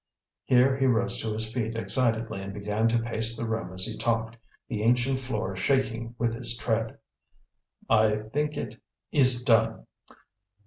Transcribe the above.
Here he rose to his feet excitedly and began to pace the room as he talked, the ancient floor shaking with his tread. "I think it is DONE!